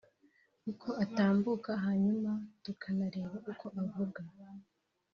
uko atambuka hanyuma tukanareba uko avuga